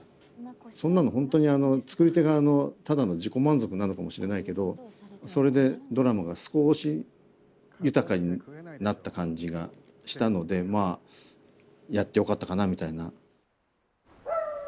そんなの本当にあの作り手側のただの自己満足なのかもしれないけどそれでドラマが少し豊かになった感じがしたのでまあやってよかったかなみたいな。